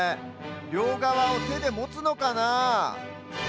りょうがわをてでもつのかな。